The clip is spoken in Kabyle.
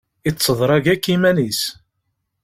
Itteḍrag akk iman-is.